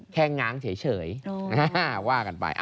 แค่ง้างเฉย